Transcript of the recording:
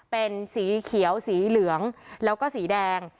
เป็นสีเขียวสีเหลืองแล้วก็สีแดง